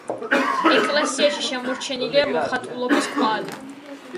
ეკლესიაში შემორჩენილია მოხატულობის კვალი.